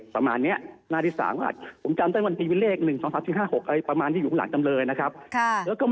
ประมาณนี้หน้าที่๓ผมจำได้บางทีเป็นเลข๑๒๓๔๕๖อะไรประมาณที่อยู่ข้างหลังจำเลยนะครับ